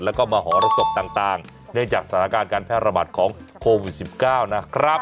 แล้วก็มหรสบต่างเนื่องจากสถานการณ์การแพร่ระบาดของโควิด๑๙นะครับ